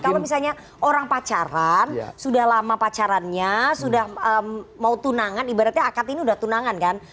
kalau misalnya orang pacaran sudah lama pacarannya sudah mau tunangan ibaratnya akad ini sudah tunangan kan